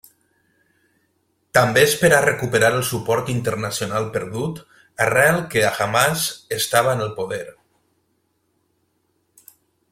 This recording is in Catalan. També esperà recuperar el suport internacional perdut arrel que Hamàs estava en el poder.